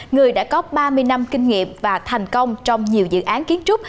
người đã có ba mươi năm kinh nghiệm và thành công trong nhiều dự án kiến trúc